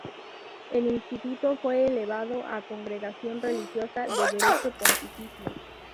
El instituto fue elevado a congregación religiosa "de derecho pontificio".